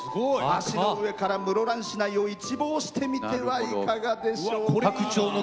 橋の上から室蘭市を一望してみてはいかがでしょうか？